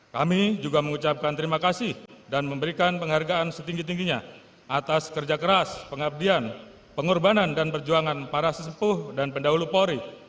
kami juga mengucapkan terima kasih dan memberikan penghargaan setinggi tingginya atas kerja keras pengabdian pengorbanan dan perjuangan para sesepuh dan pendahulu polri